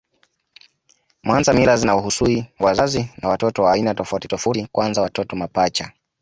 Mwanza mila zinahusui wazazi na watoto wa aina tofauti tofauti kwanza watoto mapacha